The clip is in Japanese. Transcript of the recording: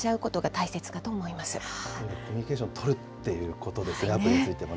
親子でコミュニケーション取るっていうことですね、アプリについてもね。